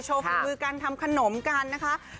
ฝีมือการทำขนมกันนะคะ